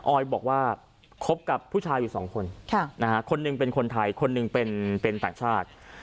ออยบอกว่าคบกับผู้ชายอยู่สองคนคนหนึ่งเป็นคนไทยคนหนึ่งเป็นต่างชาติ